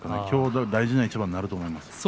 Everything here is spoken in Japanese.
きょうが大事な一番になると思います。